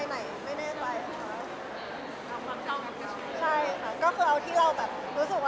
แต่ว่าต้องกังวลดู